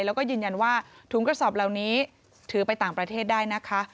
แล้วก็ยืนยันว่าถุงกระสอบเหล่านี้ถือไปต่างประเทศได้นะคะ